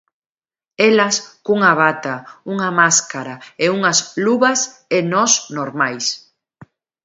Elas cunha bata, unha máscara e unhas luvas e nós normais.